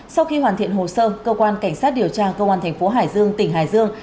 sau khi hoàn thiện hồ sơ cơ quan cảnh sát điều tra công an thành phố hải dương tỉnh hải dương